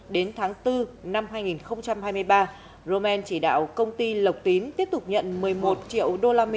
đến tháng bốn năm hai nghìn hai mươi ba roman chỉ đạo công ty lộc tín tiếp tục nhận một mươi một triệu usd